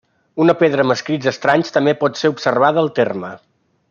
Una pedra amb escrits estranys també pot ser observada al terme.